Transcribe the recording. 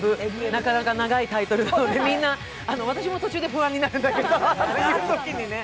なかなか長いタイトルなので、私も途中で不安になるんだけど、言うときにね。